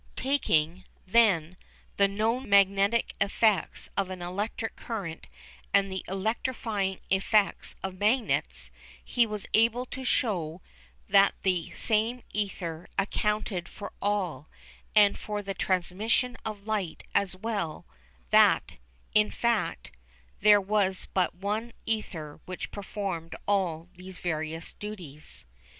Taking, then, the known magnetic effects of an electric current and the electrifying effects of magnets, he was able to show that the same ether accounted for all, and for the transmission of light as well, that, in fact, there was but one ether which performed all these various duties.